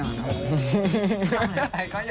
ก็ด่อยดีละก่อนนะคะ